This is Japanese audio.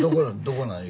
どこなん？